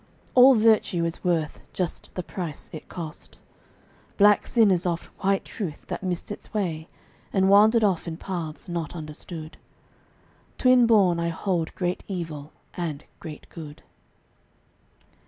All virtue is worth just the price it cost. Black sin is oft white truth that missed its way And wandered off in paths not understood. Twin born I hold great evil and great good.